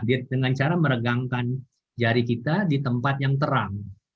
dengan cara meregangkan jari kita di tempat yang terang